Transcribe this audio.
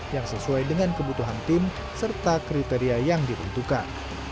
yang sesuai dengan kebutuhan tim serta kriteria yang ditentukan